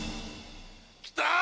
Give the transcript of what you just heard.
来た！